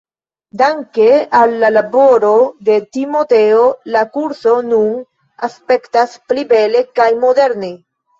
Danke al la laboro de Timoteo, la kurso nun aspektas pli bele kaj moderne.